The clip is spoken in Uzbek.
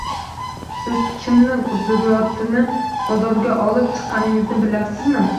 — Siz kimni zurriyotini bozorga olib chiqqaningizni bilyapsizmi?